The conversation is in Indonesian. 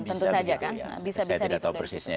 tentu saja kan